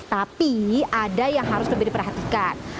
tapi ada yang harus lebih diperhatikan